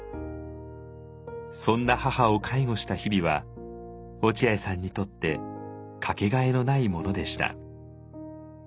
そんな母を介護した日々は落合さんにとって掛けがえのないものでした。